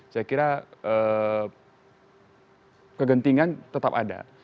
saya kira kegentingan tetap ada